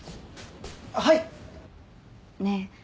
はい！ねぇ